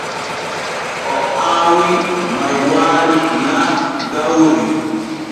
O aawi maywaari naa gawri.